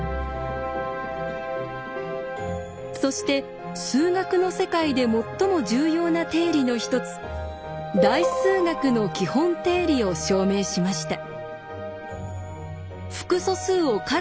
そして数学の世界で最も重要な定理の一つ「代数学の基本定理」を証明しました。